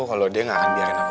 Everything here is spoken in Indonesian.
kalau dia gak akan biarin aku